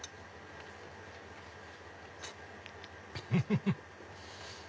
フフフ！